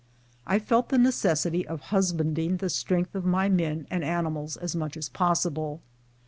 I felt the necessity of husbanding the strength of my men and animals as much as possible.